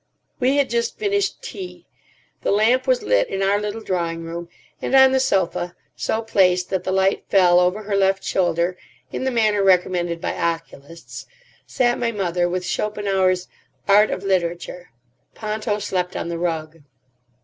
We had just finished tea. The lamp was lit in our little drawing room, and on the sofa, so placed that the light fell over her left shoulder in the manner recommended by oculists, sat my mother with Schopenhauer's Art of Literature. Ponto slept on the rug.